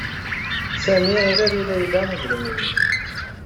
Sami irar i Layla idrimn nns